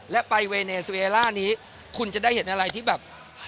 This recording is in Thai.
และไปเวเนซูเอล่านี้คุณจะได้เห็นอะไรที่แบบ